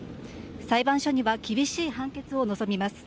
裁判所には厳しい判決を望みます。